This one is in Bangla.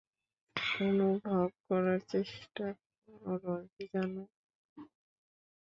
অনুভব করার চেষ্টা করো, জানু।